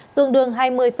tương đương hai mươi năm